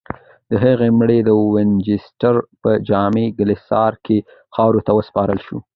د هغې مړی د وینچسټر په جامع کلیسا کې خاورو ته وسپارل شو.